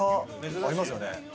ありますよね。